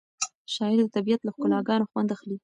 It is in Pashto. شاعر د طبیعت له ښکلاګانو خوند اخلي.